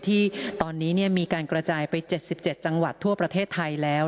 ที่ตอนนี้มีการกระจายไป๗๗จังหวัดทั่วประเทศไทยแล้ว